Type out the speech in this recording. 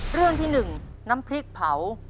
เรื่องที่๑น้ำพริกเผา